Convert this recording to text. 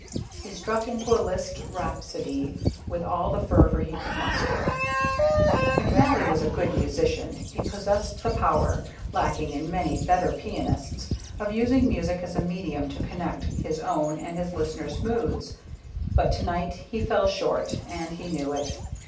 He struck into a Liszt rhapsody with all the fervor he could muster. McNally was a good musician. He possessed the power, lacking in many better pianists, of using music as a medium to connect his own and his listener's moods; but to night he fell short, and he knew it.